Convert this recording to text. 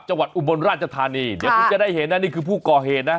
อุบลราชธานีเดี๋ยวคุณจะได้เห็นนะนี่คือผู้ก่อเหตุนะ